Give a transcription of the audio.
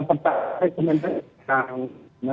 pertama saya komentari